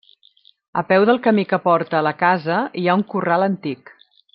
A peu del camí que porta a la casa hi ha un corral antic.